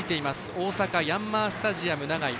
大阪・ヤンマースタジアム長居。